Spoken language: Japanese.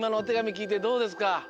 きいてどうですか？